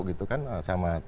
gitu kan sama